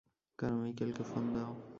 কারমাইকেলকে phone দাও।